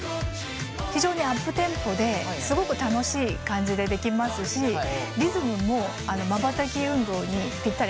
非常にアップテンポですごく楽しい感じでできますしリズムもまばたき運動にぴったり合います。